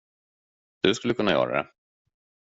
Du skulle kunna göra det.